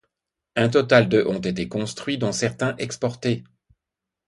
Un total de ont été construits, dont certains exportés.